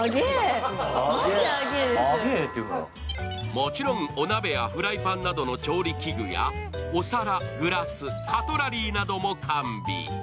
もちろんお鍋やフライパンなどの調理器具や、お皿、グラス、カトラリーなども完備。